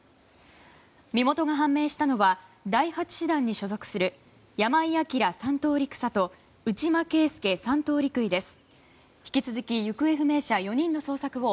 身元が判明したのは第８師団に所属する山井陽３等陸佐と内間佳祐３等陸尉です。